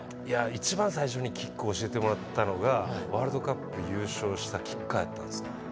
一番最初にキック教えてもらったのがワールドカップ優勝したキッカーだったんですよ。